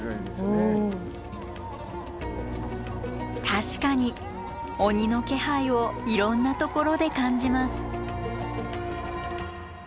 確かに鬼の気配をいろんなところで感じます。